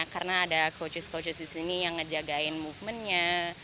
karena ada coaches coaches di sini yang ngejagain movement nya